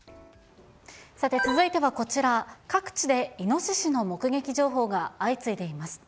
さて、続いてはこちら、各地でイノシシの目撃情報が相次いでいます。